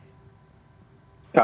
kalau tidak tidak